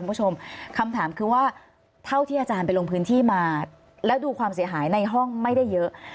คุณผู้ชมคำถามคือว่าเท่าที่อาจารย์ไปลงพื้นที่มาแล้วดูความเสียหายในห้องไม่ได้เยอะ